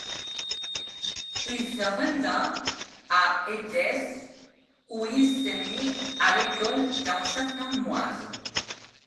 Il se rendit à Édesse où il se mit à l'école d'un certain Moïse.